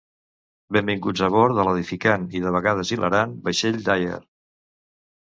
Benvinguts abord de l'edificant i de vegades hilarant vaixell Dyer.